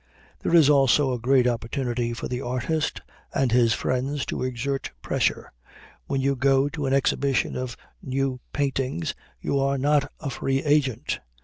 There is also a great opportunity for the artist and his friends to exert pressure. When you go to an exhibition of new paintings, you are not a free agent.